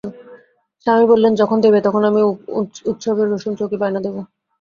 স্বামী বললেন, যখন দেবে তখন আমি উৎসবের রোশনচৌকি বায়না দেব।